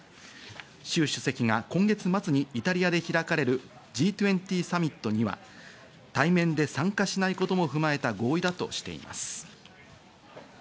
シュウ主席が今月末にイタリアで開かれるＧ２０サミットには対面で参加しないことも踏まえた合意だとしています。